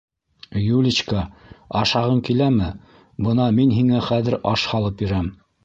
Юличка, ашағың киләме, бына мин һиңә хәҙер аш һалып бирәм.